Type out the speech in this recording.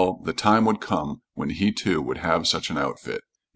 The time would come when he too would have such an outfit.